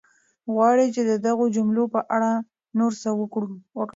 غواړې چې د دغو جملو په اړه نور څه وکړم؟